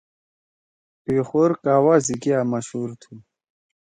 پیخور قہوہ سی کیا مشہور تُھو۔